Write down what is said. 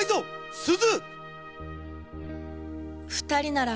すず！